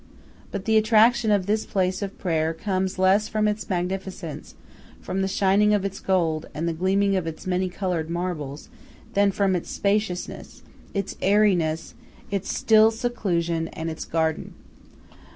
But the attraction of this place of prayer comes less from its magnificence, from the shining of its gold, and the gleaming of its many colored marbles, than from its spaciousness, its airiness, its still seclusion, and its garden.